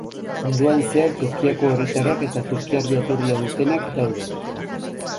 Munduan zehar Turkiako herritarrak eta turkiar jatorria duenak daude.